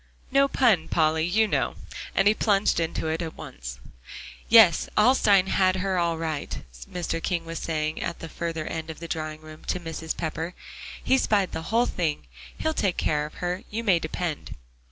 No pun, Polly, you know." And he plunged into it at once. "Yes, Alstyne has her all right," Mr. King was saying at the further end of the drawing room to Mrs. Pepper; he spied the whole thing; "he'll take care of her, you may depend."